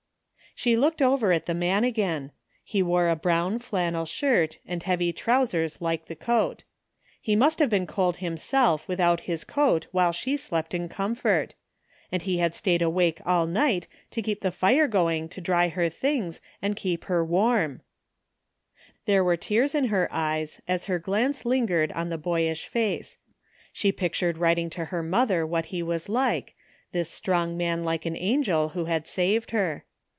She looked over at the man again. He wore a brown flannel shirt and heavy trousers like the coat He must have been cold himself without his coat while she slept in comfort And he had stayed awake all m'ght to keep the fire going to dry her things and keep her warm! 39 THE FINDING OF JASPER HOLT There were tears in her eyes as her glance lingered on the boyish face. She pictured writing to her mother what he was like, this strong man like an angel who had saved her.